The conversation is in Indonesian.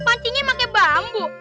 pancingnya pakai bambu